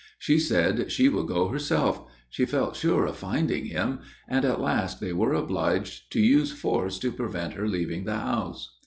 She said she would go herself: she felt sure of finding him; and, at last, they were obliged to use force to prevent her leaving the house.